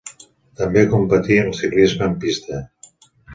També competí en el ciclisme en pista.